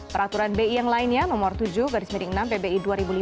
peraturan bi yang lainnya nomor tujuh garis miring enam pbi dua ribu lima belas